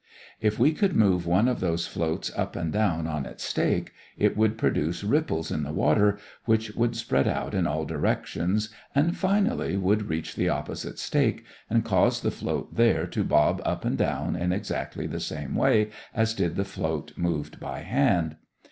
If we should move one of these floats up and down on its stake, it would produce ripples in the water which would spread out in all directions and finally would reach the opposite stake and cause the float there to bob up and down in exactly the same way as did the float moved by hand.